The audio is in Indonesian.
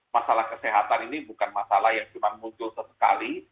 masalah kesehatan ini bukan masalah yang cuma muncul sesekali